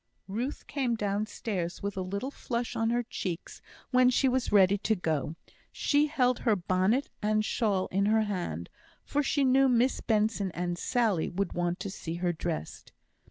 Ruth came downstairs with a little flush on her cheeks when she was ready to go. She held her bonnet and shawl in her hand, for she knew Miss Benson and Sally would want to see her dressed.